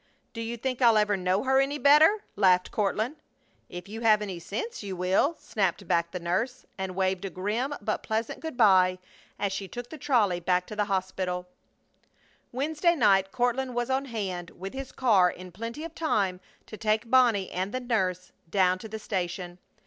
"Do you think I'll ever know her any better?" laughed Courtland. "If you have any sense you will!" snapped back the nurse, and waved a grim but pleasant good by as she took the trolley back to the hospital. Wednesday night Courtland was on hand with his car in plenty of time to take Bonnie and the nurse down to the station.